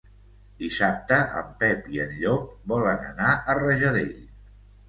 Dissabte en Pep i en Llop volen anar a Rajadell.